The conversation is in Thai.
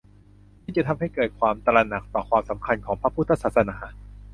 ซึ่งจะทำให้เกิดความตระหนักต่อความสำคัญของพระพุทธศาสนา